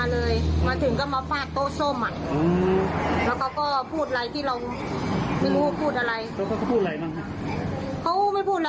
ลูกค้าเขาก็มาเขาเดินตามมาแล้วก็เขาฟาด